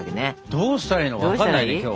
どうしたらいいのか分かんないね今日は。